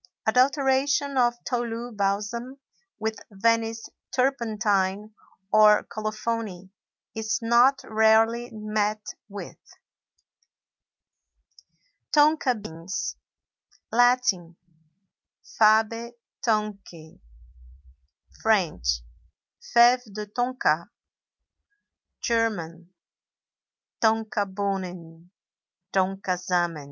Adulteration of Tolu balsam with Venice turpentine or colophony is not rarely met with. TONKA BEANS. Latin—Fabæ Tonkæ; French—Fèves de Tonka; German—Tonkabohnen, Tonkasamen.